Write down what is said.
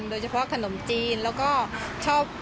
โดยเฉพาะขนมจีนแล้วก็ชอบ